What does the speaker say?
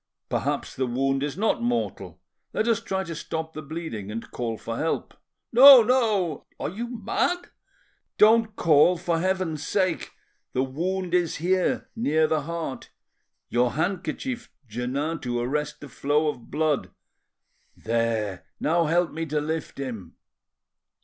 Perhaps the wound is not mortal. Let us try to stop the bleeding and call for help." "No, no—" "Are you mad?" "Don't call, for Heaven's sake! The wound is here, near the heart. Your handkerchief, Jeannin, to arrest the flow of blood. There—now help me to lift him."